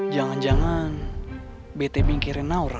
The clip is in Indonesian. jangan jangan bete bingkirin naura